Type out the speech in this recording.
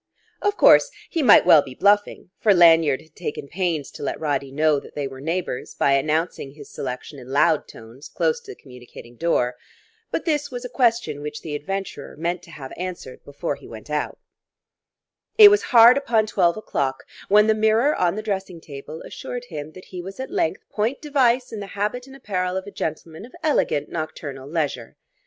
Of course, he might well be bluffing; for Lanyard had taken pains to let Roddy know that they were neighbours, by announcing his selection in loud tones close to the communicating door. But this was a question which the adventurer meant to have answered before he went out.... It was hard upon twelve o'clock when the mirror on the dressing table assured him that he was at length point device in the habit and apparel of a gentleman of elegant nocturnal leisure.